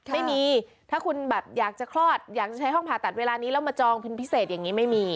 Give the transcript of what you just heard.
ไม่มีถ้าคุณแบบอยากจะคลอดอยากจะใช้ห้องผ่าตัดเวลานี้แล้วมาจองเป็นพิเศษอย่างนี้ไม่มี